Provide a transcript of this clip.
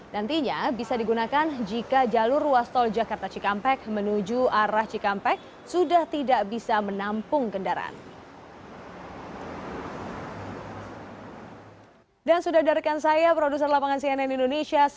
nantinya bisa digunakan jika jalur ruas tol jakarta cikampek menuju arah cikampek sudah tidak bisa menampung kendaraan